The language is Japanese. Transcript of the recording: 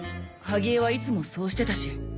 萩江はいつもそうしてたし。